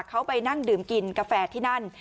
เขาไปนั่งดื่มกินกาแฟที่นั่น